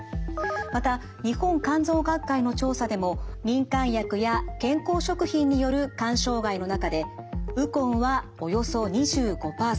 また日本肝臓学会の調査でも民間薬や健康食品による肝障害の中でウコンはおよそ２５％。